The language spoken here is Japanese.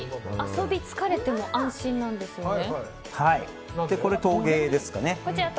遊び疲れても安心なんですね。